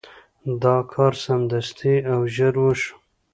دا کار سمدستي او ژر وشو.